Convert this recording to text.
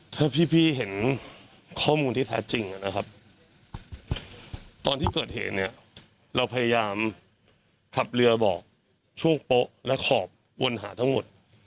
ถ้าพี่เห็นข้อมูลที่แท้จริงนะครับตอนที่เกิดเหตุเนี่ยเราพยายามขับเรือบอกช่วงโป๊ะและขอบวนหาทั้งหมด